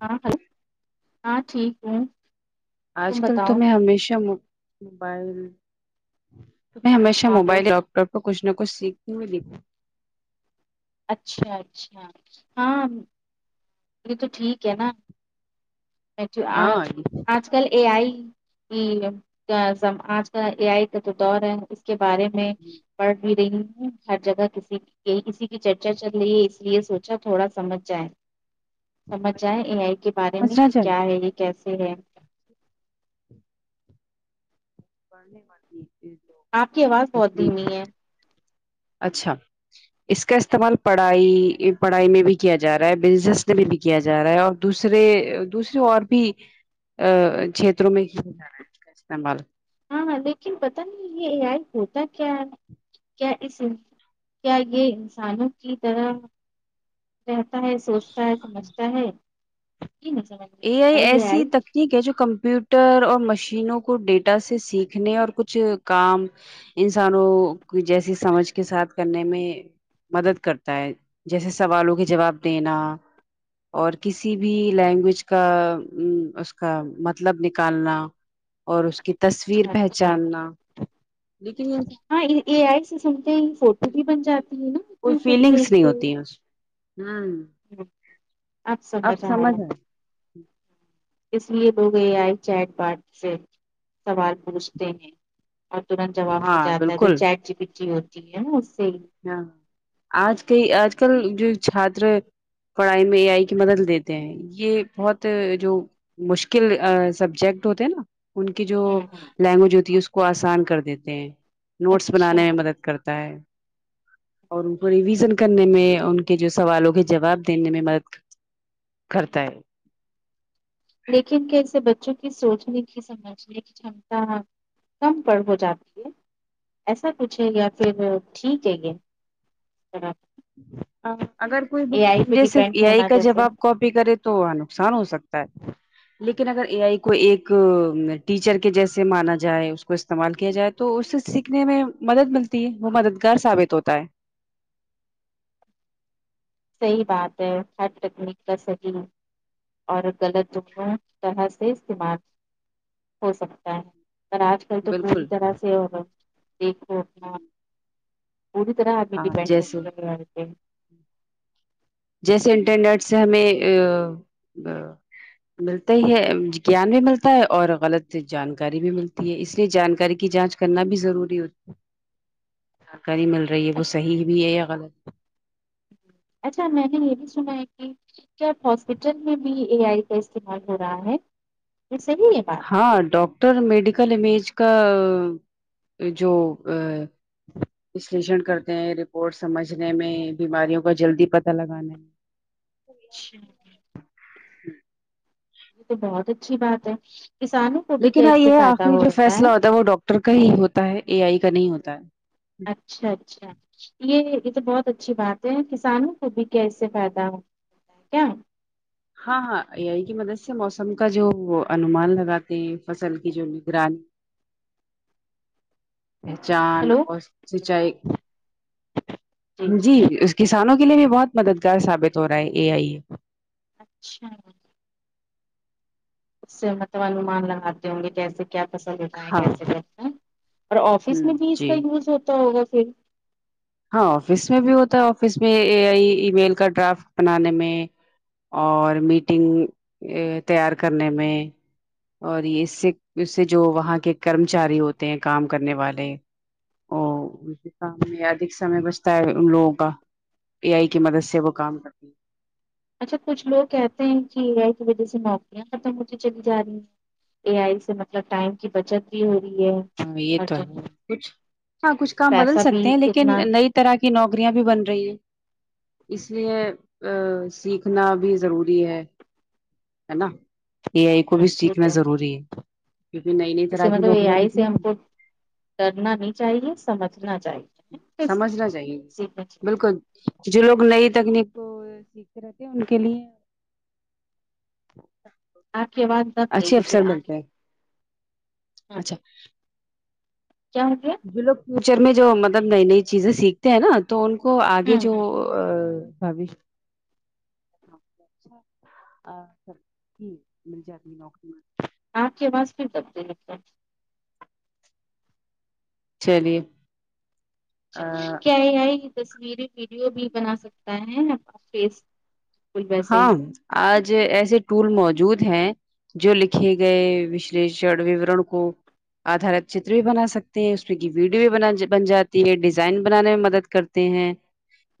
ہاں ہیلو ہاں ٹھیک ہوں آج تم کل بتاؤ تو میں ہمیشہ موبائل تومیں ہمیشہ آپ لوگ موبائل لیپ ٹاپ کو کچھ نہ کچھ سیکھنے ملیھی اچھا اچھا ہاں یہ تو ٹھیک ہے نا [unintelligible] بیٹھی ہوں اج ہاں آج کل اے آئی آج کال اے آئی کا جو دور ہے اس کے بارے میں پڑھ بھی رہی ہوں ہر جگہ کسی کسی کی چرچہ چل رہی ہے اس لیے سوچا تھوڑا سمجھ جائے سمجھ جائیں اے آئی کے بارے میں سمجھنا کہ چاہیے کیا ہے یہ کیسے ہے بہانے بازی آپ کی آواز بہت دھیمی ہے اچھا اس کا استعمال پڑھائی پڑھائی میں بھی کیا جا رہا ہے بزنس میں بھی بھی کیا جا رہا ہے اور دوسرے دوسرے اور بھی ا چھیتروں میں کیا جا رہا ہے اس کا استعمال ہاں ہاں لیکن پت نہیں یہ اے ائی ہوتا کیا ہے کیا اس کیا یہ انسانوں کی طرح کہتا ہے سوچتا ہے سمجھتا ہے کہ نہیں سمجھتا اے ائی ایسی تک ٹھیک ہے جو کمپیوٹر اور مشینوں کو ڈیٹا سے سیکھنے اور کچھ کام انسانوں کی جیسی سمجھ کے ساتھ کرنے میں مدد کرتا ہے جیسے سوالوں کے جواب دینا اور کسی بھی لینگویج کا اس کا مطلب نکالنا اور اس کی تصویر اچھا اچھا پہچاننا لیکن یہ ہاں اے آئی سے سنتے ہیں ہی فوٹو بھی بن جاتی ہیں نا وہ تو پھر بھیج فیلنگس نہیں دو ہوتی ہیں ہوں، اس میں آب سمجھ آیا ہے اس لیے لوگ اے آئی چیٹ بات سے سوال پوچھتے ہیں اور ترنت جواب ہاں د جاتا ہے جو بالکل چاٹجئ پٹی ہوتی ہے نا اس سے ہی ہاں آج کئی آج کل جو چھاتر پڑھائی میں اے آئی کی مدد لیتے ہیں یہ بہت جو مشکل سبجیکٹ ہوتے نا ان کی جو ہ ہ لینگویج ہوتی ہے اس کو آسان کر دیتے ہیں نوٹس اچھا بنانے میں مدد کرتا ہے اور ان کو ریویژن کرنے میں ان کے جو سوالوں کے جواب دینے میں مدد کرتا ہے لیکن کیااسے بچوں کی سوچنے کی سمجھنے کی شمتا ہاں کم پر ہو جاتی ہے ایسا کچھ ہے یا پھر ٹھیک ہے پھر آپ ہاں اگر کوئی بات پہ مجھے صرف ڈیپینڈ اے آئی ہونا کا جیسے جواب کاپی کرے تو نقصان ہو سکتا ہے لیکن اگر اے آئی کو ایک ٹیچر کے جیسے مانا جائے اس کو استعمال کیا جائے تو اس سے سیکھنے میں مدد ملتی ہے وہ مددگار ثابت ہوتا ہے صحیح بات ہے ہر تکنیک کا صحیح اور غلط جملوں طرح سے استعمال ہو سکتا ہے پر آج کل تو پوری بالکل طرح سے ہوگا دیکھو اپنا پوری طرح آپ بھی ہاں دپنڈنٹ جیسے ہے اے آی پے جیسے انٹرنیٹ سے ہمیں اے اے ملتے ہے گیان بھی ملتا ہے اور غلط جانکاری بھی ملتی ہے اس لیے جانکاری کی جانچ کرنا بھی ضوری ہوتا ہے جانکاری مل رہی ہے وہ اچ- صحیح بھی ہے یا غلط اچھا میں بھی یہی سنا ہے کہ کیا ہاسپٹل میں بھی اے آئی کا استعمال ہو رہا ہے یہ صحیح ہے بات ہاں ڈاکٹر میڈیکل امیج کا جو آ وشیشن کرتے ہیں رپورٹ سمجھنے میں بیماریوں کا جلدی پتہ لگانے میں اچھا یہ تو بہت اچھی بات ہے کسان لیکن ہاں یہ آخری جو فیصلہ ہوتا ہے وہ ڈاکٹر کا ہی ہوتا ہے اے آئی کا نہیں ہوتا ہے اچھا اچھا یہ یہ تو بہت اچھی بات ہے کسانوں کو بھی کیااس سے فائدہ ہوتا ہے کیا ہاں ہاں اے آئی کی مدد سے موسم کا جو انومان لگاتے ہیں فصل کی جو نگرانی پہچان ہلو اور جی سچائی جی اس کسانوں کے لیے بھی بہت مددگار ثابت ہو رہا ہے اے آئی اچھا اس سے مطلب انمان لگاتے ہوں گے جیسے کیا پسند ہوتا ہے ہاں کیسے ہوں کرتا ہے اور آفس میں بھی اس جی کا یوز ہوتا ہوگا پھر ہاں آفس میں بھی ہوتا ہے آفس میں اے آئی ای میل کا ڈرافٹ بنانے میں اور میٹنگ تیار کرنے میں اور یہ اس سے اس سے جو وہاں کے کرمچاری ہوتے ہیں کام کرنے والے اور دوسرے کام میں آدک سمے بچتا ہے ان لوگوں کا اے آئی کی مدد سے وہ کام کرتی ہیں اچھا کچھ لوگ کہتے ہیں کی اے ای کی وجہ سے نوکریاں ختم ہوتی چلی جا رہی ہیں اے آئی سے مطلب ٹائم کی بچت بھی ہو رہی ہے ہاں یہ اور تو جو ہے کچھ ہاں کچھ کام بدل پیسہ بھی سکتے ہیں لیکن اتنا نئی اسطرح کی نوکریاں بھی بن رہی ہیں اس لیے آ سیکھنا بھی ضروری ہے ہے نا اے آئی کو بھی مضبوط سیکھنا ہے، ضروری ہے کیونکہ نئی نئی اس طرح سے کی مطلب اے نوکریاں آئی سے نکلیں ہم کو ڈرنا نہیں چاہیے سمجھنا چاہیے بس سمجھنا چاہیے سیکھنا چاہیے بالکل جو لوگ نئی تکنیک کو سیکھ رہےتھے انکے لیے آپ کے آواز دب گئی اچھے ہے پھر افسر آپ ملتے ہیں اچھا کیا ہو گیا ہے جو لوگ فیوچر میں جو مطلب نئی نئی چیزیں سیکھتے ہیں نا تو ان کو آگے ہوں جو ہوں ا [unintelligible] ہاں پھر اچھا مل جاتی نوکری آپ کے اواز پھر دب گئی ہیں چلیے اچھا کیا اے آئی تصویریں ویڈیو بھی بنا سکتا ہے افیس ہاں آج ایسے ٹول موجود ہیں جو لکھے گئے وشیشڑ وورن کو آدارت چتر بھی بنا سکتے ہیں اس میں کی ویڈیو بھی بن جی ہے ڈیزائن بنانے میں مدد کرتی تے ہیں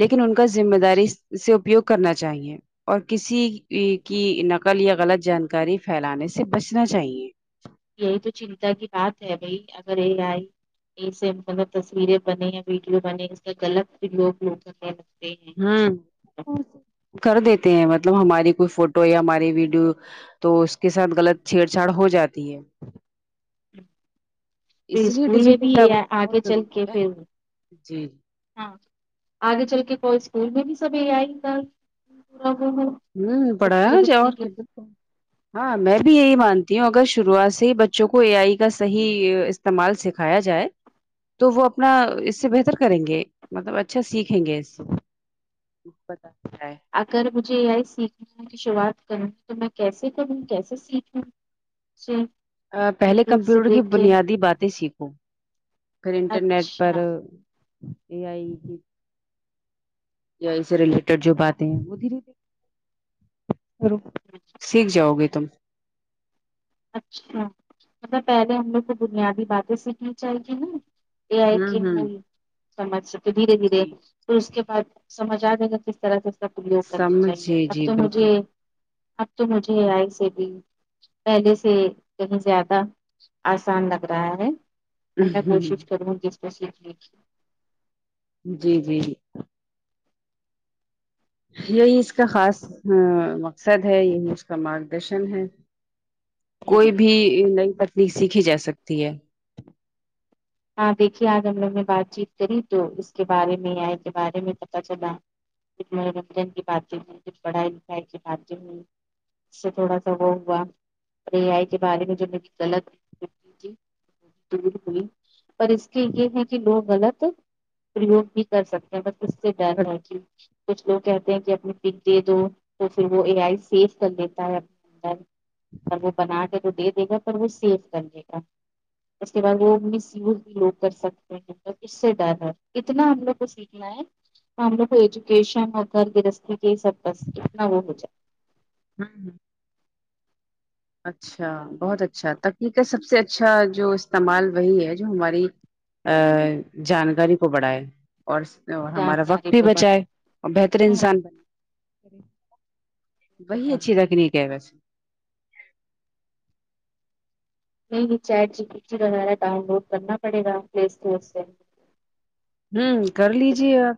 لیکن ان کا ذمہ داری سے اپیوگ کرنا چاہیے اور کسی کی نقل یا غلط جانکاری پھیلانے سے بچنا چاہیے یہی تو چنتا کی بات ہے بھائی اگر اے آئی جسے مطلب تصویریں بنے یا ویڈیو بنے اس کا غلط لوگ لوگ یوس رکھتے ہیں ہاں کر دیتے ہیں مطلب ہماری کوئی فوٹو یا ہماری ویڈیو تو اس کے ساتھ غلط چھیڑ چھاڑ ہو جاتی ہے پھر اس لیے اسکول میں ڈیجیٹل بھی یہ جاگروکتا آگے بہت چل کے ضروری ہے پھر جی ہاں آگے چل کے کوئی اسکول میں بھی سب یہ اے ائی کا ہوں پڑا بچے جب اج اتنے اور کے گھر ہاں میں بھی یہی مانتی ہوں اگر شروعات سے ہی بچوں کو اے آئی کا صحیح اس استعمال سکھایا جائے تو وہ اپنا اس سے بہتر کریں گے مطلب اچھا سیکھیں گے ک پت کیا ہے اگر مجھے یہ آئی سیکھنے کی شروعات کرنی تو میں کیسے کروں کیسے سیکھوں جی ا پہلے کمپیوٹر کی بنیادی باتیں سیکھوں پھر انٹرنیٹ پر اچھا یہ آئی یا اے ائی سے ریلیٹڈ جو باتیں ہیں وہ دھیرے دھیرے کرو اچھا سیکھ جاؤ گے تم اچھا مطلب پہلے ہم لوگ کو بنیادی باتیں سیکھنی چاہی یہ اے ای کہ ہوں ہوں من سمج س کہ دھیرے دھیرے جی پھر اس کے بعد سمجھ آ دے گا کس طرح سے اس کا پرریوگ کرنا چاہیے سمجھے اب جی تو مجھے بالکل اب توہ مجھے یہ آئی سے بھی پہلے سے کہیں زیادہ آسان لگ رہا ہے اب میں کوشش کروں گی اس کو سیکھنے کی جی جی یہی اس کا خاص مقصد ہے یہی اس کا مارگدرشن ہے ہ کوئی بھی نئی تکنیک سیکھی جا سکتی ہے ہاں دیکھیے آج ہم لوگ نے بات چیت کری تو اس کے بارے میں اے آیئ کے بارے میں پتہ چلا کف منورنجن کی باتیں ہوئیں کف پڑھائی لکھائی کی باتیں ہوئی اس سے تھوڑا سا وہ ہوا اے آئی کے بارے میں جو غلط تھی بلکل پر اس کے یہ ہے کہ لوگ غلط ہے پریوگ بھی کر سکتے ہیں بس اس سے ڈر ہے کہ کچھ لوگ کہتے ہیں کہ اپنے پک دے دو تو پھر وہ اے آئی سیف کر لیتا ہے اندر اور وہ بنا کے تو دے دے گا پر وہ سیو کر لے گا اس کے بعد وہ میسیوس بھی لوگ کر سکتے ہیں تو اس سے ڈر ہے اتنا ہم لوگ کو سیکھنا ہے ہم ہم ایجوکیشن اور گھر گرستی کی سب وہ ہوجایے ہوں ہوں اچھا بہت اچھا تکنیک کا سب سے اچھا جو استعمال وہی ہے جو ہماری آ جانکاری کو بڑھائے اور اور ہمارا وقت جانکاری بھی پہ بچائے اور بہتر بڑھ انسان وہی اچھی رکھنی کہ ہے بس نہیں نہیں چیٹ جیپیٹی وغیرہ ڈاؤن لوڈ کرنا پڑے گا پلے اسٹور سے امم کر لیجیے آپ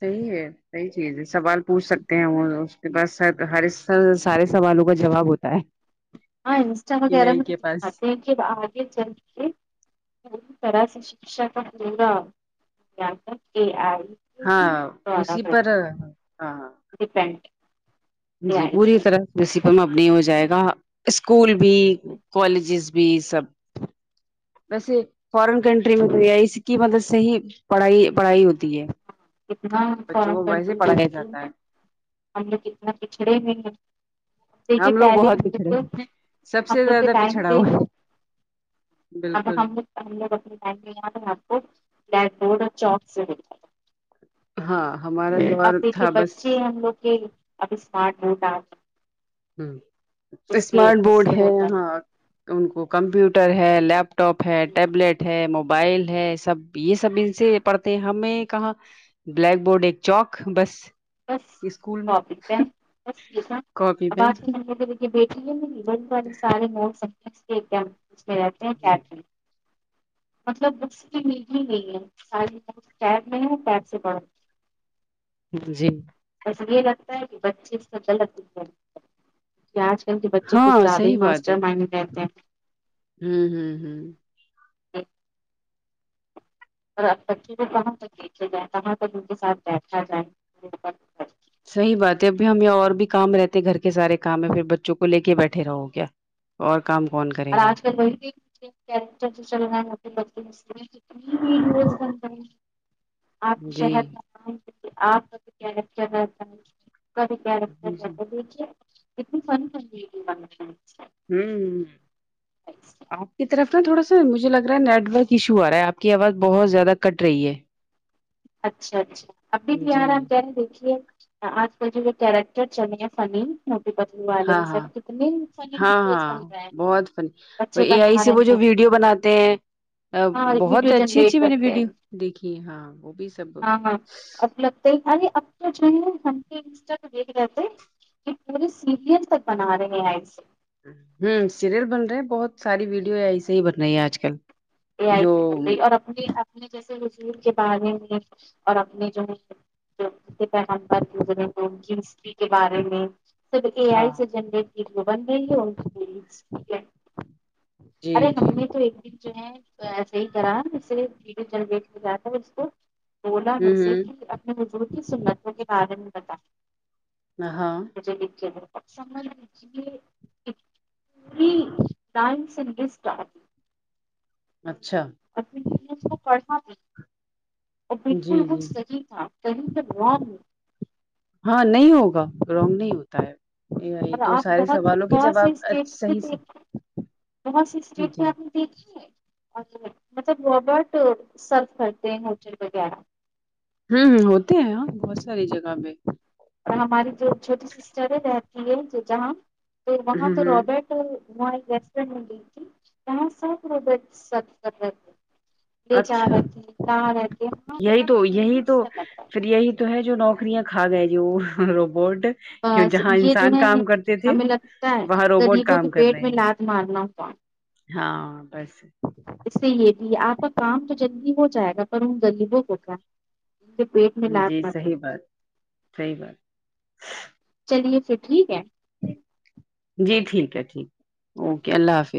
صحیح ہے صحیح چیز ہے سوال پوچھ سکتے ہیں وہ اس کے پاس سر ہر ایک سارے سوالوں کا جواب ہوتا ہے ہاں انسٹا اے وغیرہ آئی بھی کے پاس آپ دیکھیے آگے چلے اس طرح سے شکشا کا ہوگا کے اے آئی کے ہی ہاں اسی پر ہاں ہاں ڈیپینڈ جی پوری طرح رسیپم اب نہیں ہو جائے گا اسکول بھی کالجز بھی سب ویسے فارن کنٹری می اںے آی کی مدد سے ہی پڑھائی پڑھائی ہوتی ہے کتنا بچوں فورین کو ویسے کنٹری پڑھایا دیکھیے جاتا ہے ہم لوگ اتنا پچھڑے میں ہیں ہم دیکھیے لوگ پہلے بہت ہم لوگ پچھڑے کو ہوئے سب ہم سے لوگ کے زیادہ ٹائم پچھڑا پہ ہوا بلکل ب بار آ کو ب بورڈ چوس و ہے [unintelligible] ہاں ہمارا اب دور دیکھے تھا بس بچے ہم لوگ کے ابھی اسمارٹ بورڈ آگیا امم اسمارٹ بورڈ ہے ہوتا یہاں ان کو کمپیوٹر ہے لیپ ٹاپ ہے ٹیبلیٹ ہے موبائل ہے سب یہ سب ان سے پڑھتے ہیں ہمیں کہاں بلیک بورڈ ایک چوک بس بس اسکول کاپی پین امم بس ٹھیک ہے اب آپ آجکل بیٹی ہے بیٹی والے سارے موڈس دیکھیے ہم اس میں رہتی ہے جی چیٹ میں مطلب بکس کی نیڈ ہی نہیں ہے ساری بک پیڈ میں ہے پیڈ سے پڑھو جی ایسے یہ لگتا ہے کہ بچے اس سے غلط یوس نہ کرے کہ آج کل کے بچے کچھ ہاں زیادہ ہی صحیح ماسٹر مائنڈ کہتے ہیں امم امم امم ہیں اور اب بچے کو کہاں تک دیکھے جائے کہاں تک ان کے ساتھ بیٹھا جائے صحیح بات ہے ابھی ہمیں اور بھی کام رہتے گھر کے سارے کام ہے پھر بچوں کو لے کے بیٹھے رہو کیا اور کام کون کرے گا تو بیٹی ٹر چلنا ب کر کر [unintelligible] جی [unintelligible] کٹر کت فن ک ف [unintelligible] ہممم آپ کی طرف اتنا تھوڑا سا مجھے لگ رہا ہے نیٹ ورک ایشو آرہا ہے آپ کی آواز بہت زیادہ کٹ رہی ہے اچھا اچھا ابھی بھی جی آ رہا ہم کہہ رہے دیکھیے آج کل جو یہ کیریکٹر چلی ہیں فنی موٹو پت ہاں ہاں ہاں ہاں بن رہے ہیں بہت فنی اور بچے اے آئی بنا سے رہے وہ جو ہیں ویڈیو بنا تے ہے ہاں ویڈیو بہت اچھی جنریٹ اچھی میں نے کرتے ویڈیو ہیں دیکھی ہاں وہ بھی سب ہوں ہاں ہاں اب لگتے ارے اب تو [unintelligible] جنھٹ و رہتے یہ پورے سیریل تک بنا رہے ہیں اے آئی سے ہوں سیریل بن رہے ہیں بہت ساری ویڈیو اے آئی سے ہی بن رہی ہے آج کل اے آئی جو سے بن رہی اور اپنے اپنے جیسے حضور کے بارے میں اور اپنے جو ہے پیغمبر گزرے ان کی ہسٹری کے بارے میں سب اے آئی ہاں سے جنریٹ کی بن رہی ہے ان کی پوری ہسٹری ہے جی ارے جی ہم ہوں نے تو ایک جو ہے ایسے ہی کرا جس سے ویڈیو جنریٹ کرا تھا اس کو بولا مجھ سے کی اپنے حضور کی سنتوں کے بارے میں بتایے نہا [unintelligible] ڈانس انری [unintelligible] اسٹارٹ اچھا ا [unintelligible] کو پڑھنا اور بلکل جی وہ جی صحیح تھا کہی سے رونگ ہاں نہیں ہوگا رونگ نہیں ہوتا ہے یہ اور تو آپ سارے بہت سوالوں کے بہت سے جواب اسٹیٹ اچ- سے صحیح دیکھیں بہت سی اسٹیٹ میں جی آپ دیکھے مطلب روبرٹ سرو کرتے ہیں ہوٹل وغیرہ ہوں ہمم ہوتے ہیں ہاں بہت ساری جگہ پہ اور ہماری جو چھوٹی سسٹر ہے رہتی ہے جو جہاں تو ہ وہاں تو ہ روبرٹ وہ وہاں ریسٹورینٹ میں گیئ تھی وہاں سب روبورٹ سرو کر رہے تھے لے جا اچھا رہے تھے لا رہے تھے ہاں بڑا یہی تو یہی یونیک تو سا لگ رہا تھا پھر یہی تو ہے جو نوکریاں کھا گئے جو روبوٹ کی بس جہاں یہ جو انسان ہے کام کرتے تھے ہمیں لگتا ہے وہاں روبوٹ غریبوں کے کام کر پیٹ رہے میں ہیں لات مارنا ہوا ہاں بس اس سے یہ بھی آپ کا کام تو جلدی ہو جائے گا پر ان غریبوں کو کیا پیٹ میں لات جی مچے صحیح بات صحیح بات چلیے پھر ٹھیک ہے جی ٹھیک ہے ٹھیک اوکے اللہ حافظ